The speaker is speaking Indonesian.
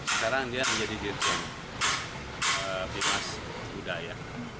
sekarang dia menjadi dirjen bimas budaya